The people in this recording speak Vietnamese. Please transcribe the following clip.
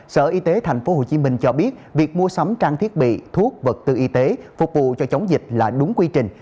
sở y tế tp hcm cho biết việc mua sắm trang thiết bị thuốc vật tư y tế phục vụ cho chống dịch là đúng quy trình